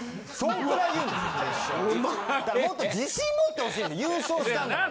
もっと自信持ってほしいんで優勝したんだから。